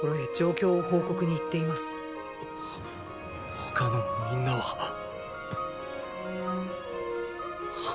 ほ他のみんなは⁉っ！！